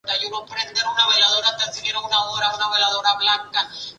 Dicha imagen está invertida, por lo que debe obtenerse un negativo de la toma.